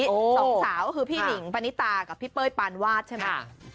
สองสาวก็คือพี่หนิงปณิตากับพี่เป้ยปานวาดใช่ไหม